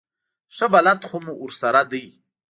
ښه بلد خو ورسره دی.